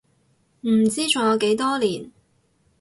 唔知仲有幾多年